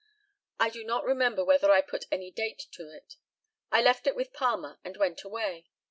I do not remember whether I put any date to it. I left it with Palmer, and went away.